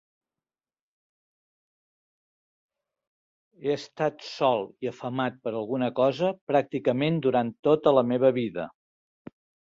He estat sol i afamat per alguna cosa pràcticament durant tota la meva vida.